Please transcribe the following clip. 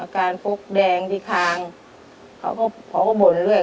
อาการฟกแดงที่คางเขาก็บ่นเลย